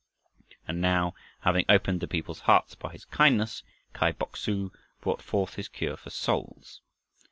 And now, having opened the people's hearts by his kindness, Kai Bok su brought forth his cure for souls.